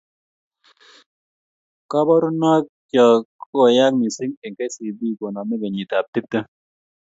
Kaborunoik choe ko koyaaha mising eng Kcb koname kinyit ab tiptem.